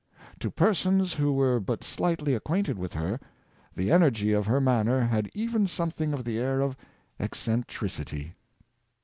To persons who Cur ran and A darns, 105 were but slightly acquainted with her, the energy of her manner had even something of the air of eccen tricity.'